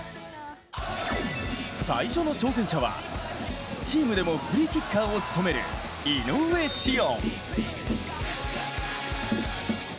最初の挑戦者はチームでもフリーキッカーを務める井上潮音。